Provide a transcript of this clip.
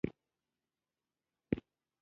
راځی د پښتو ژبې لپاره په شریکه خدمت وکړو